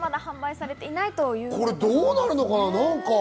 これ、どうなるのかな？